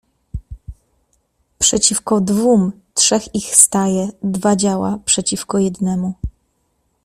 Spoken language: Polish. "Przeciwko dwóm trzech ich staje, dwa działa przeciwko jednemu."